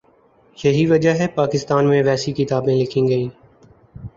یہی وجہ ہے کہ پاکستان میں ویسی کتابیں لکھی گئیں۔